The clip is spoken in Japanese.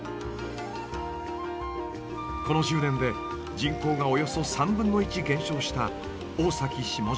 この１０年で人口がおよそ３分の１減少した大崎下島。